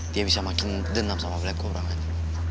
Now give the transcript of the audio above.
dia bisa makin denam sama blacko orangnya